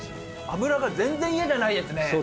脂が全然嫌じゃないですね。